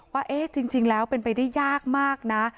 ว่าจริงแล้วเป็นไปได้ยากมากนะ